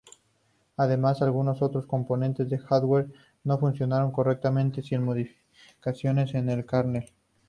Además, algunos otros componentes de hardware no funcionarán correctamente sin modificaciones en el kernel.